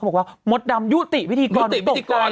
เขาบอกว่ามดดำยุติพิธีกรตกตายเลย